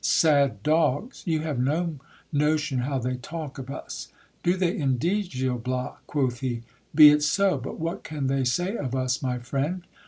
Sad dogs ! You have no notion how they talk of us. Do they indeed, Gil Bias ? quoth he. Be it so ! but what can they say of us, my friend